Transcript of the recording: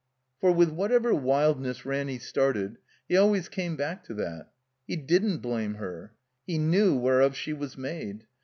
'* For, with whatever wildness Ranny^started, he always came back to that — He didn't blame her. He knew whereof she was made.